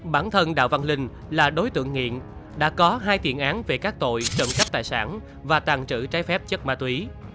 công an huyện vĩnh tường là đối tượng nghiện đã có hai tiện án về các tội trộm cắp tài sản và tàn trữ trái phép chất ma túy